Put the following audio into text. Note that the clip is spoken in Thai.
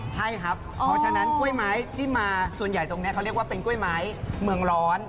ใช่ครับเพราะฉะนั้นกล้วยไม้ที่มาส่วนใหญ่ตรงนี้เขาเรียกว่าเป็นกล้วยไม้เมืองร้อน